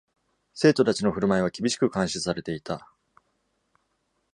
生徒たちの振る舞いは厳しく監視されていた。